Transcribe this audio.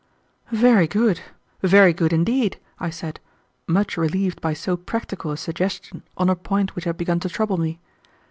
"Very good! very good indeed," I said, much relieved by so practical a suggestion on a point which had begun to trouble me.